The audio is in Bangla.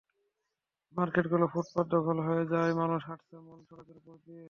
মার্কেটগুলোর ফুটপাত দখল হয়ে যাওয়ায় মানুষ হাঁটছে মূল সড়কের ওপর দিয়ে।